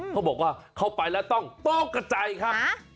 เขาบอกว่าเข้าไปแล้วต้องต้องกระจ่ายค่ะ